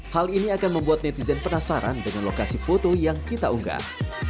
hal ini akan membuat netizen penasaran dengan lokasi foto yang kita unggah